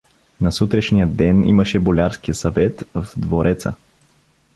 На сутрешния ден имаше болярски съвет в двореца.